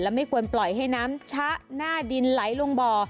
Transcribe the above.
ไม่ควรปล่อยให้น้ำชะหน้าดินไหลลงบ่อ